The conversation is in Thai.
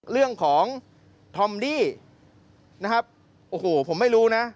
เรื่องของธอมดี้นะครับโอ้โหผมไม่รู้นะ